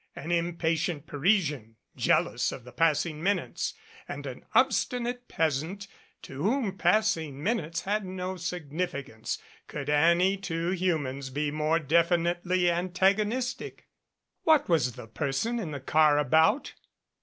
An impatient Parisian, jealous of the passing minutes, and an obstinate peasant to whom passing min utes had no significance could any two humans be more definitely antagonistic? What was the person in the car about?